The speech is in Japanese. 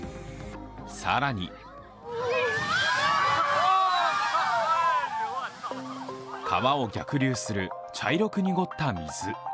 更に川を逆流する茶色く濁った水。